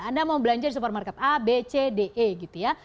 anda mau belanja di supermarket a b c d e gitu ya